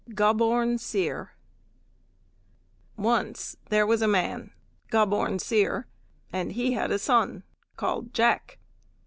Gobborn Seer Once there was a man Gobborn Seer, and he had a son called Jack.